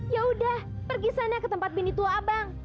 yaudah pergi sana ke tempat bini tua abang